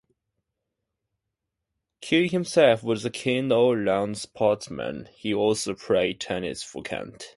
Key himself was a keen all-round sportsman; he also played tennis for Kent.